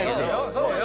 そうよ！